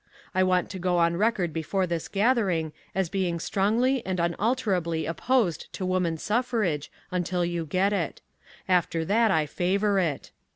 I want to go on record before this gathering as being strongly and unalterably opposed to Woman Suffrage until you get it. After that I favour it.